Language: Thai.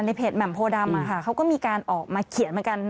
เพจแหม่มโพดำเขาก็มีการออกมาเขียนเหมือนกัน